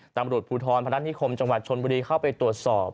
ตำรวจภูทรพนัฐนิคมจังหวัดชนบุรีเข้าไปตรวจสอบ